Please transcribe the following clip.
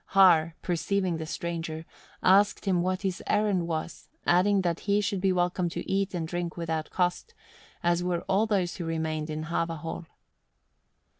Har, perceiving the stranger, asked him what his errand was, adding that he should be welcome to eat and drink without cost, as were all those who remained in Hava Hall.